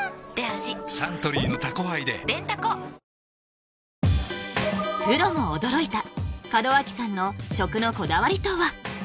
サントリーの「タコハイ」ででんタコプロも驚いた門脇さんの食のこだわりとは？